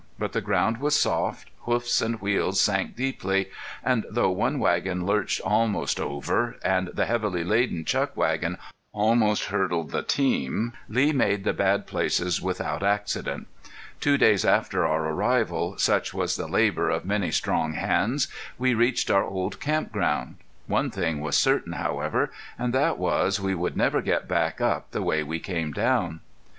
But the ground was soft, hoofs and wheels sank deeply, and though one wagon lurched almost over, and the heavily laden chuck wagon almost hurdled the team, Lee made the bad places without accident. Two hours after our arrival, such was the labor of many strong hands, we reached our old camp ground. One thing was certain, however, and that was we would never get back up the way we came down.